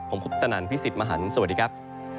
ผมคุปตนันพี่สิทธิ์มหันฯสวัสดีครับ